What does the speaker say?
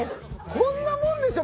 こんなもんでしょ